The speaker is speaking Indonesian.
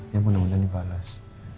ya mudah mudahan dipalas